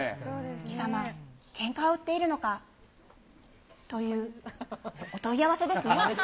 貴様、けんかを売っているのか？というお問い合わせですね。